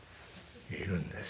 「いるんです」。